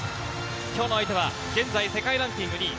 今日の相手は現在世界ランキング２位。